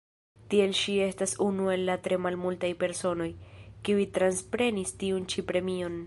Tiel ŝi estas unu el la tre malmultaj personoj, kiuj transprenis tiun ĉi premion.